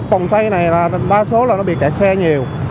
phòng xây này là đa số là nó bị kẹt xe nhiều